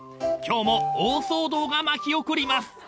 今日も大騒動が巻き起こります］